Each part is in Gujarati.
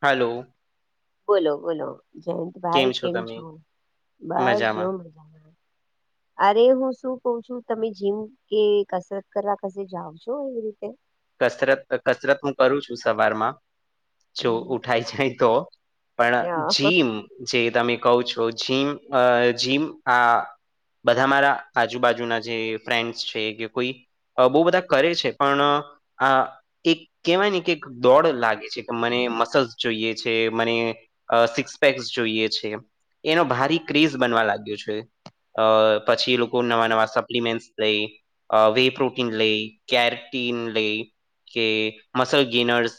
હલો બોલો બોલો જયંત ભાઈ કેમ છો બસ જો મજામાં અરે હું શું કહુ છું તમે જીમ એ કસરત કરવા કસે જાાવ છો એવી રીતે કસરત કસરત હું કરું છું સવારમાં જો હમ ઉઠાય જાય તો પણ હા, જીમ જે તમે કહો છો જીમ જીમ આ બધા મારા આજુબાજુના જે ફ્રેન્ડ્સ છે કે કોઈ બહુ બધા કરે છે પણ આ એક કેવાય કે દોડ લાગે છે કે મને મસલ્સ જોઈએ છે મને અ સિક્સપેક્સ જોઈએ છે એનો ભારી ક્રેઝ બનવા લાગ્યો છે અ પછી એ લોકો નવા નવા સપ્લિમેન્ટ લઈ વે પ્રોટીન લઈ કેરેટીન લઈ કે મસલ ગેનર્સ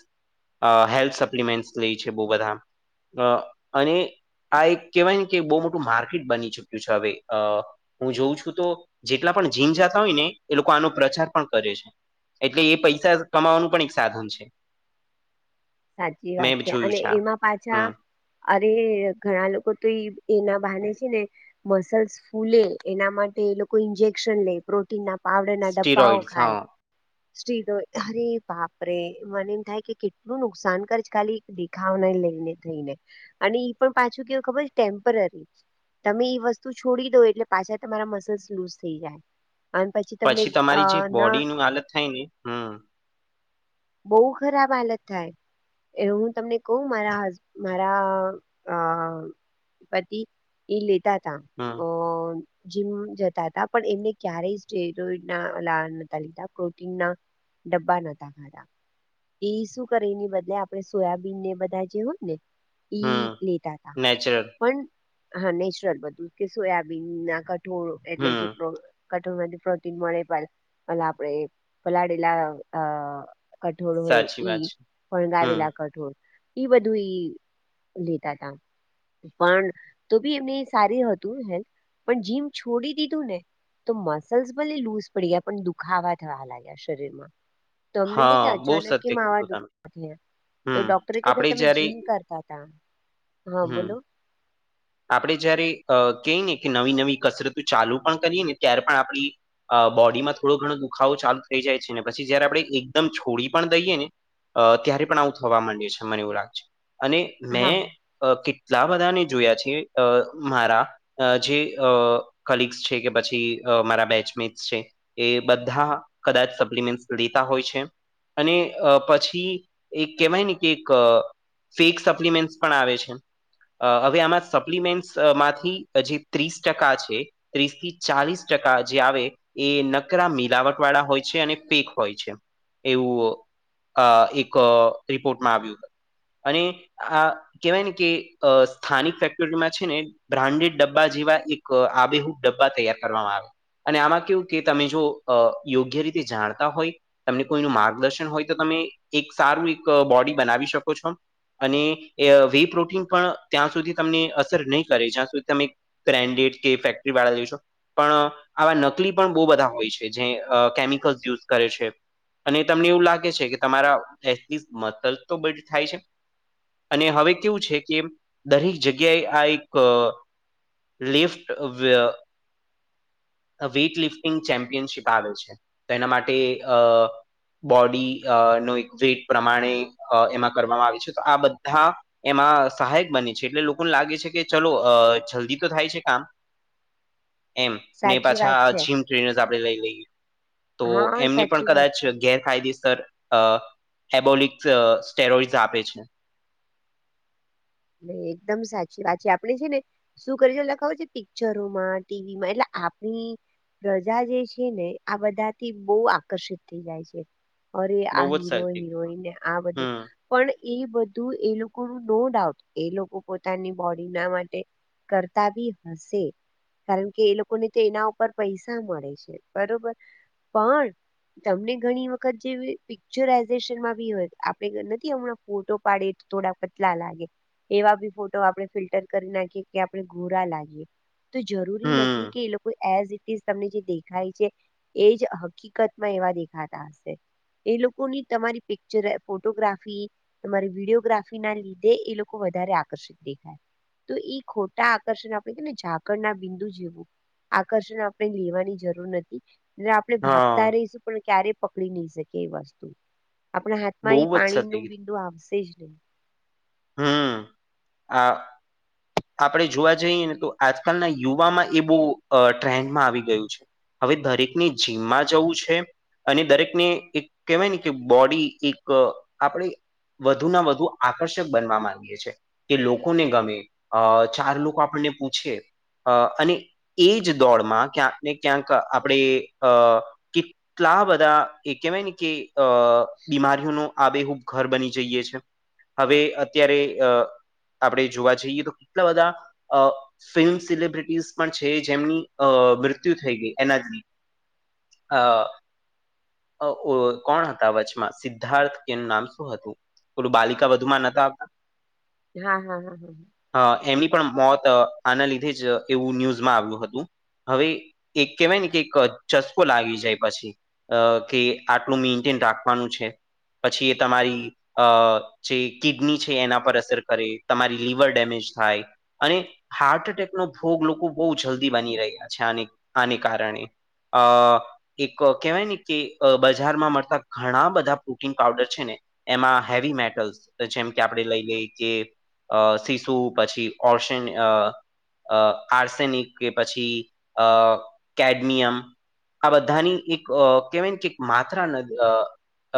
હેલ્થ સપ્લમેન્ટ લે છે બહુ બધા અને આ એક કહેવાય ને કે બહુ મોટું માર્કેટ બની ચુક્યું છે હવે, હું જોઉં છું તો જેટલા પણ જીન જાતા હોય ને એ લોકો આનો પ્રચાર પણ કરે છે એટલે એ પૈસા કમાવાનું પણ એક સાધન છે. સાચી વાત મેં છે જોયું અને આ એમાં પાછા હમ. અરે ઘણા લોકો તો એના બહાને છે ને મસલ્સ ફૂલે એના માટે એ લોકો ઇન્જેક્શન લે પ્રો ના પાવડર ના ડબ્બાઓ સ્ટીરોઈડસ ખાય. હા સ્રી અરે બાપરે મને એમ થાય કે કેટલું નુકસાન કરે છે ખાલી. દેખાવ ન લઈને થઈને અને ઈ પણ પાછું કેવું ખબર ટેમ્પરરી તમે ઈ વસ્તુ છોડી દો એટલે પાછા તમારા મસલ્સ લુઝ થઈ જાય અને પછી તમને અ તમારી જે ના બોડીનું હાલત થઈ ગઈ છે બઉ ખરાબ હાલત થાય. એ હું તમને કું મારા હ મારા પતિ એ લેતા તા હમ અ જમ જતા હતા પણ એમને ક્યારે લીધા પ્ર ડબ્બા નહોતા ખાતા એ શું કરે એની બદલે આપડણે સોયાબીન ને બધા જે હોય ને ઈ હમ લેતા હતા નેચરલ પણ હા નેચરલ બધું કે સોયાબીન ના કઠોળ એટલે જે હમ કટોર માંથી પ્રોટીન મળે પ પ આપણેે પલાડેલા કઠોળ હોય સાચી વાત ઈ છે હમ વણગાવેલા કઠોળ ઈ બધું લેતા તા પણ તો બી એમને સારી હતું હેલ્થ પણ જીમ છોડી દીધું ને તો મસલ્સ ભલે લુઝ પડી ગયા પણ દુખાવા થવા લાગ્યા શરીરમાં તો અમને કે હા બહુ અચાનક કે સત્ય માવા કીધું દુખ તમે તો હમ ડોક્ટર કે ભાઈ આપડે તમે જયારે જિમ કરતા હતા? હા હમ [inaudible] આપડણે જયારે કઈ ને કે નવી નવી કસરતો ચાલુ પણ કરીએ ને ત્યારે પણ આપણી અ બોડીમાં થોડો ઘણો દુખાવો ચાલુ થઈ જાય છે ને પછી જયારે આપણે એકદમ છોડી પણ દઈએ ને અ ત્યારે પણ આવું થવા માંડે છે મને એવું લાગશે અને હા મેં અ કેટલા બધાને જોયા છે અ મારા જે કલિગ્સ છે કે, પછી મારા બેચમેટ્સ છે. એ બધા કદાચ સપ્લિમેન્ટ લેતા હોય છે. અને પછી એક કેહેવાય ને કે એક ફેક સપ્લિમેન્ટ પણ આવે છે. હવે આમાં સપ્લિમેન્ટસ માંથી જે ત્રીસ ટકા છે ત્રીસ થી ચાલીસ ટકા જે આવે. એ નકરા મિલાવટ વાળા હોય છે અને પેક હોય છે એવું આ એક રિપોર્ટમાં આવ્યું અને આ કેહેવાય ને કે સ્થાનિક ફેક્ટરીમાં છે ને બ્રાન્ડેડ ડબ્બા જેવા એક આબેહુ ડબ્બા તૈયાર કરવામાં આવે અને આમાં કેવું કે તમે જો યોગ્ય રીતે જાણતા હોય તમને કોઈનું માર્ગદર્શન હોય તો તમે એક સારું એક બોડી બનાવી શકો છો. અને વ પ્રૂટ ત્યાં સુધી તમને અસર નહી કરે જ્યાં સુધી તમેન્ડેડ કે ફેક્ટરી વાળા જોશો પણ આવા નકલી પણ બહુ બધા હોય છે જે કેમિકલ્સ યુઝ કરે છે. અને તમને એવું લાગે છે કે તમારા મલ તો બ થાય છે. અને હવે કેવું છે કે દરેક જગ્યાએ આ એક લિફ્ટ વ વેઇટલિફ્ટિંગ ચેમ્પિયનશીપ આવે છે તો એના માટે અ બોડી અ નો એક વેટ પ્રમાણે એમાં અ કરવામાં આવે છે તો આ બધા એમાં સહાયક બને છે એટલે લોકોને લાગે છે કે ચલો જલ્દી તો થાય છે કામ એમ ને સાચી પાછા વાત છે જીમ ટ્રેનર્સ આપણે લઈ લય તો હા એમની પણ સાચી કદાચ વાત છે ગે ફાયદેસર હેબોલિક સ્ટેરોઈડ આપે છે નહી એકદમ સાચી વાતચી આપણી છે ને શું કરીશ એ ખબર છે પિક્ચરોમાં ટીવીમાં એટલે આપણી પ્રજા જે છે ને આ બધાથી બહુ આકર્ષિત થઈ જાય છે અરે બહુ આ જ હીરો સરખી હિરોઈન ને આ બધું હમ પણ એ બધું એ લોકો ન નો ડાઉટ એ લોકો પોતાની બોડી ના માટે કરતા બી હશે કારણ કે એ લોકોને તો એના ઉપર પૈસા મળે છે બરોબર પણ તમને ઘણી વખત જે પિક્ચરાઈઝેશનમાં બી હોય આપણે નથી હમણાં ફોટો પાડે થોડા પતલા લાગે એવા બી ફોટો આપણે ફિલ્ટર કરી નાખીએ કે આપણે ગોરા લાગીએ તો જરૂરી નથી હમ કે એ લોકો એઝ ઇટ ઇઝ તમને જે દેખાય છે એજ હકીકતમાં એવા દેખાતા હશે એ લોકોની તમારી પિક્ચર ફોટોગ્રાફી તમારી વિડીયોગ્રાફી ના લીધે એ લોકો વધારે આકર્ષિત દેખાય તો એ ખોટા આકર્ષણ આપણે કેને ઝાકળ ના બિંદુ જેવું આકર્ષણ આપણે લેવાની જરૂર નથી એ આપણે હા ભાગતા રહીશું પણ ક્યારે પકડી નહી શકી એ વસ્તુ આપણા બહુ હાથમાં એ જ પાણી સતી નું કીધું. બિંદુ આવશે જ નહીં હમ્મ આ આપણે જોવા જઈએ ને તો આજકાલના યુવામાં એ બહુ અ ટ્રેન્ડમાં આવી ગયું છે હવે દરેકની જીમમાં જવું છે અને દરેકને એક કહેવાય ને કે બોડી એક આપણે વધુ ના વધુ આકર્ષણ બનવા માંગે છે કે લોકોને ગમે ચાર લોકો આપણને પૂછે અ અને એ જ દોડમાં ક્યાંક ને ક્યાંક આપણે અ એટલા બધા એ કહેવાય ને કે અ બીમારીઓનું આ બેેહૂબ ઘર બની જઈએ છે હવે અત્યારે અ આપણે જોવા જઈએ તો કેટલા બધા અ ફિલ્મ સેલિબ્રિટીઝ પણ છે જેમની અ મૃત્યુ થઈ ગઈ એનાથી અ કોણ હતા વચમાં સિદ્ધાર્થ એનું નામ શું હતું પેલું બાલિકા વધુ [unintelligible] હા હા હા હા અ એમની પણ મોત આના લીધે જ એવું ન્યૂઝમાં આવ્યું હતું હવે એક કેહેવાય ને કે એક ચસ્કો લાગી જાય પછી અ કે આટલું મેન્ટેન રાખવાનું છે પછી એ તમારી અ પછી કિડની છે એના પર અસર કરે તમારી લિવર ડેમેજ થાય અને હાર્ટ એટેકનો ભોગ લોકો બહુ જલ્દી બની રહ્યા છે આ આને કારણે અ એક કેહેવાય ને કે અ બજારમાં મળતા ઘણા બધા પ્રોટીન પાવડર છે ને એમાં હેવી મેટલ્સ જેમ કે આપણે લઈ લઈ કે અ શીશુ પછી ઓર્શન અ અ આર્સેનિક કે પછી અ કેડમિયમ આ બધાની એક કેહેવાય કે એક માત્રાન અ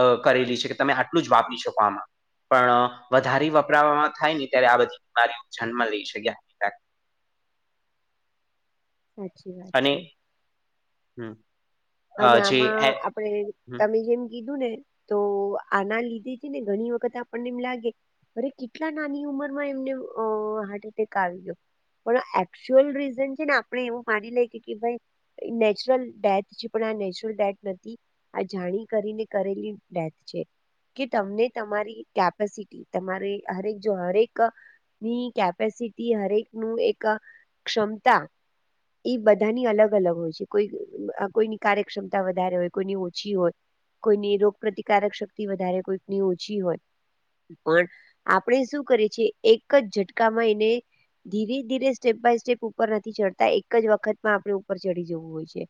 અ કરેલી છે કે તમે આટલું જ વાપરી શકો આમાં પણ વધારે વપરાવામાં થાય ને ત્યારે આ બધી બીમારીઓ જન્મ લઈ. [unintelligible] [inaudible] સાચચી વાત અને છે. હમ. અ, અને જે આમાં એ- આપણે હમ તમે જેમ કીધું ને તો આના લીધે છે ને ઘણી વખત આપણને એમ લાગે અરે કેટલા નાની ઉંમરમાં એમને હાર્ટ એટેક આવ્યો પણ એકચુઅલ રીઝન છે ને આપણે એવું માની લે ભાઈ નેચરલ ડેથ આ નેચરલ ડેથ નથી આ જાણી કરીને કરેલી ડેથ છે. કે તમને તમારી કેપેસિટી તમારે હરેક જો હરેક ની કેપેસિટી હરેક નું એક ક્ષમતા એ બધાની અલગ અલગ હોય છે કોઈ આ કોઈ કાર્યક્ષમતા વધારે હોય કોઈની ઓછી હોય કોઈની રોગ પ્ર્રતિકારક શક્તિ વધારે કોઈકની ઓછી હોય પણ આપણે શું કરીએ છેએ એક જ ઝટકામાં એને ધીરે ધીરે સ્ટેપ બાય સ્ટેપ ઉપર નથી ચડતા એક જ વખતમાં આપણે ઉપર ચડીી જવું હોય છે.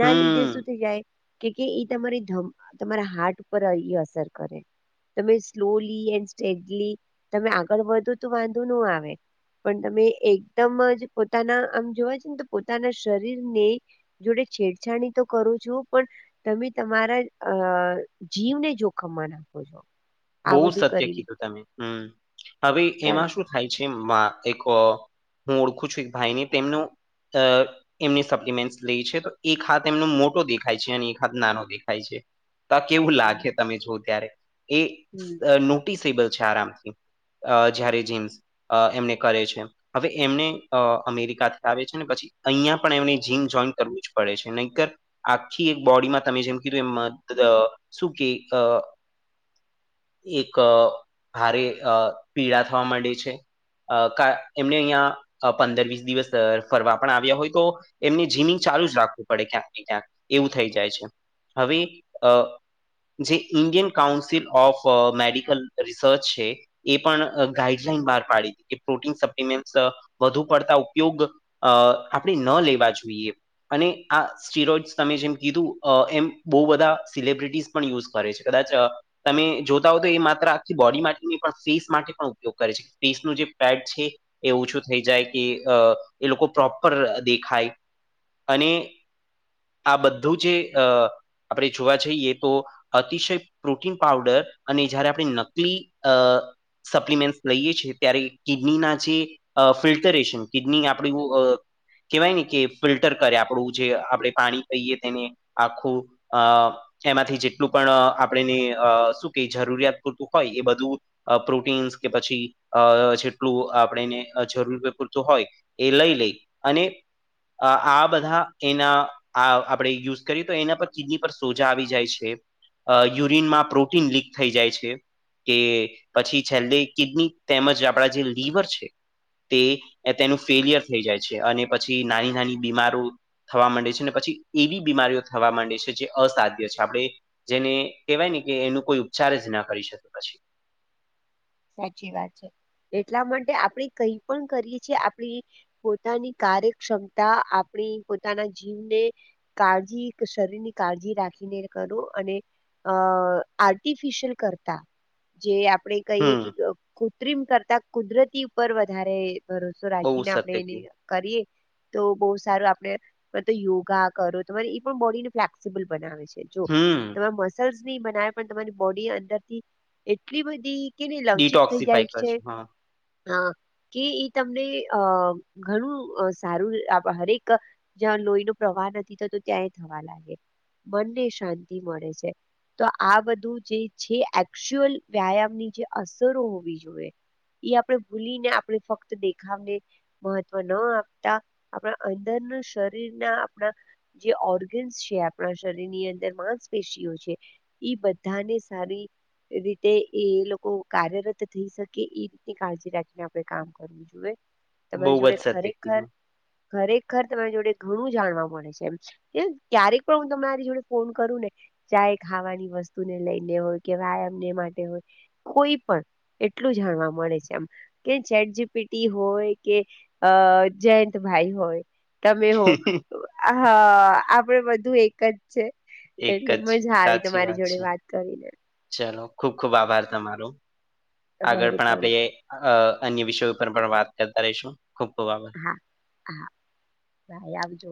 ના લીધે હમ શું થઈ જાય કે એ તમારી ધ તમારા હાર્ટ ઉપર અસર કરે. તમે સ્લોલી એ તમે આગળ વધો તો વાંધો ન આવે. પણ તમે એકદમ જ પોતાના આમ જોવા છે, ને તો પોતાના શરીર ને જોડે છેડછાણી તો કરું છું પણ તમે તમારા અ જીવને જોખમમાં નાખો છો. આ બહુ બધું સત્ય કરીને કીધું, તમે હમ હવે કામ એમાં શું થાય છે [unintelligible] હું ઓળખું છું, એક ભાઈને તેમનો અ એમની સપ્લિમેન્ટસ લે છે, તો એક હાથ એમનો મોટો દેખાય છે અને એક હાથ નાનો દેખાય છે. તો કેવું લાગે તમે જો ત્યારે એ હમ અ નોટિસેબલ છે, આરામથી જયારે જેમ્સ એમને કરે છે. હવે એમને અમેરિકાથી આવે છે, ને પછી અહીંયા પણ એમને જીમ જોઈન કરવું જ પડે છે નહીતર આખી એક બોડીમાં તમે જેમ કીધું એ શું કે એક ભારે અ પીડા થવા માંડે છે. ક એમને અહિયાયા પંદર વીસ દિવસ ફરવા પણ આવ્યા હોય, તો એમને જીમિંગ ચાલુ જ રાખવું પડે ક્યાંક ને ક્યાંક એવું થઈ જાય છે. હવે જે Indian council of medical research છે, એ પણ ગાઈડલાઈન બહાર પાડી કે પ્રોટીન સપ્લમેન્ટ વધુ પડતા ઉપયોગ અ આપણે ન લેવા જોઈએ અને આ સ્ટીરોઈડ તમે જેમ કીધું એમ બહુ બધા સિલબ્રિટીસ પણ યુઝ કરે છે, કદાચ તમે જોતા હો તો એ માત્ર આખી બોડી માટે પણ ફેસ માટે પણ ઉપયોગ કરે છે, ફેસનું જે પેડ છે એવુંછું થઈ જાય કે એ લોકો પ્રોપર દેખાય. અને આ બધું જે આપણે જોવા જઈએ તો અતિશય ન પાવડર અને જયારે આપણે નકલી સપ્લિમેન્ટ લઈએ છીએ ત્યારે કિડનીના જે અ ફિલ્ટરેશન કિડની આપણી કહેવાય ને કે ફિલ્ટર કરે આપડું જે આપણે પાણી કહીએ તેને આખું અ એમાંથી જેટલું પણ આપણે અ શું કે જરૂરિયાત પૂરતું હોય એ બધું પ્રોટીન્સ કે પછી અ જેટલું આપણેને જરૂર પૂરતું હોય એ લઈ લઈ અને આ બધા એના આ આપણે યુઝ કરીએ તો એના પર કિડની પર સોજા આવી જાય છે યુરીનમાં પ્રોટીન લીક થઈ જાય છે. કે પછી છેલ્લે કિડની તેમજ આપડા જે લિવર છે. તે તેનું ફેલિયર થઈ જાય છે, અને પછી નાની નાની બીમારો થવા માંડે છે ને પછી એવી બીમારીઓ થવા માંડે છે જે અસાધ્ય છે આપણે જેને કેહેવાય ને કે એનો કોઈ ઉપચાર જ ના કરી શકે પછી. સાચી વાત છે એટલા માટે આપણે કઈ પણ કરીએ છીએ આપણી. પોતાની કાર્યક્ષમતા આપણી પોતાના જીવને. કાળજી શરીર ની કાળજી રાખીને કરો અને અ આર્ટિફિશિયલ કરતા જે આપણે. કહીએ હમ કે કૃત્રિમ કરતા કુદરતી ઉપર વધારે ભરો તો બહુ રાજી ને સત્ય આપણે એને કીધું કરીએ તો બહ સારું આપણે બધા યોગા કરો તમારે એ પણ બોડી ને ફ્લેક્સિબલ બનાવે છે. જો હમ તમારા મસલ્સ નની બનાવે પણ તમારી બોડી અંદરથી એટલી બધી. કેની લવચિક થઇ ડિટોક્સિફાય જાય છે. કરશે હા હા કે એ તમને અ ઘણું સારું હરેક જ્યાં લોહી નો પ્રવાહ નથી થતો, ત્યા એ થવા લાગે મનને શાંતિ મળે છે. તો આ બધું જે છે એકચુઅલ વ્યાયામની જે અસરો હોવી જોઈએ. એ આપણે ભૂલી ને આપણે ફક્ત દેખાવને. મહત્વ ન આપતા આપણા અંદરનું શરીર ના આપણા. જે ઓર્ગન્સ છે આપણા શરીર ની અંદર માંસપેશીઓ છે એ બધાને સારી રીતે એ લોકો કાર્યરત થઈ શકે એ રીતની કાળજી રાખીને આપણે કામ કરવું જોઈએ બહુ તમારી જ જોડે સત્ય ખરેખર કીધું ખરેખર તમારી જોડે ઘણું જાણવા મળે છે એમ છેં એમ ક્યારેક પણ હું તમરી જોડે ફોન કરું ને ચાહે ખાવાની વસ્તુને લઈને હોય કે વ્યાયામને માટે હોય કોઈ પણ એટલું જાણવા મળે છે એમ કે ચેટ જી પી ટી હોય કે અ જયંતભાઈ હોય તમે હો હા આપણે બધું એક જ એક એટલે જ મજા આવી સાચી તમારી જોડે છે વાત કરીને ચલો ખુબ ખુબ આભાર તમારો આગળ પણ આપે અ અન્ય વિષયો ઉપર પણ વાત કરતા રહીશું ખુબ ખુબ આભાર હા હા બાઈ આવજો